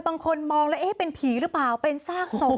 บางคนมองแล้วเอ๊ะเป็นผีหรือเปล่าเป็นซากศพ